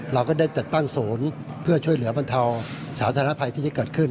เราก็ได้จัดตั้งศูนย์เพื่อช่วยเหลือบรรเทาสาธารณภัยที่จะเกิดขึ้น